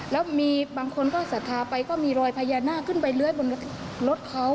และบางคนซับทาไปมีรอยไพยานาก็ขึ้นไประดับรถเค้า